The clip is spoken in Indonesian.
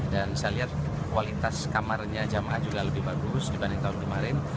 dan saya lihat kualitas kamarnya jemaah juga lebih bagus dibanding tahun kemarin